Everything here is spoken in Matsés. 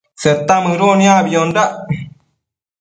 Seta mëduc niacbiondac